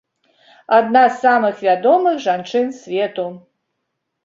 Адна з самых вядомых жанчын свету.